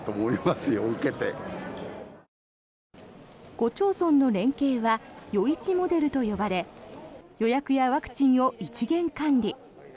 ５町村の連携は余市モデルと呼ばれ予約やワクチンを一元管理。